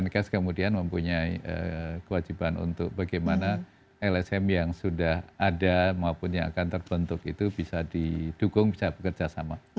menkes kemudian mempunyai kewajiban untuk bagaimana lsm yang sudah ada maupun yang akan terbentuk itu bisa didukung bisa bekerja sama